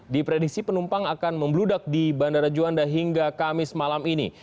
diprediksi penumpang akan membludak di bandara juanda hingga kamis malam ini